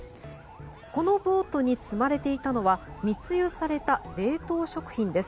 このボートに積まれていたのは密輸された冷凍食品です。